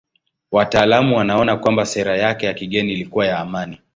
Wataalamu wanaona kwamba sera yake ya kigeni ilikuwa ya amani.